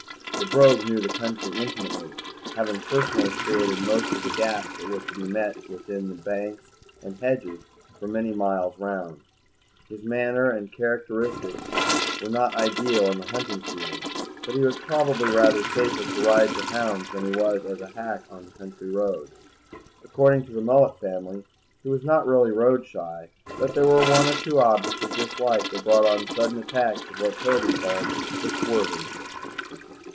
The Brogue knew the country intimately, having personally created most of the gaps that were to be met with in banks and hedges for many miles round. His manners and characteristics were not ideal in the hunting field, but he was probably rather safer to ride to hounds than he was as a hack on country roads. According to the Mullet family, he was not really road shy, but there were one or two objects of dislike that brought on sudden attacks of what Toby called the swerving sickness.